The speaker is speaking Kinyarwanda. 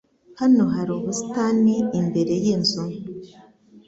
Hano hari ubusitani imbere yinzu.